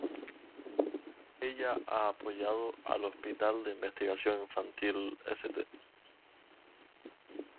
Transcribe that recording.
Ella ha apoyado al Hospital de Investigación Infantil St.